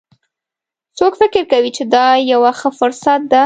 څوک فکر کوي چې دا یوه ښه فرصت ده